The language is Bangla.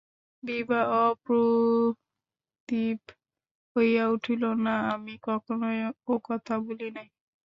বিভা অপ্রতিভ হইয়া উঠিল, না, আমি কখনো ও কথা বলি নাই।